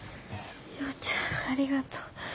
陽ちゃんありがとう。